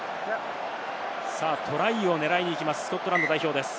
トライを狙いに行きます、スコットランド代表です。